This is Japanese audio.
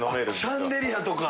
シャンデリアとか！